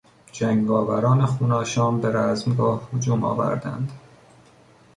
جنگاوران خونآشام به رزمگاه هجوم آوردند.